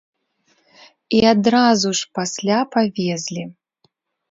І адразу ж пасля павезлі.